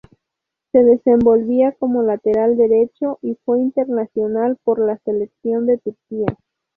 Se desenvolvía como lateral derecho y fue internacional por la selección de Turquía.